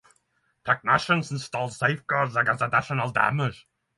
Technicians installed safeguards against additional damage.